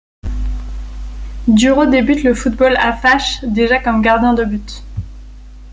Durot débute le football à Faches, déjà comme gardien de but.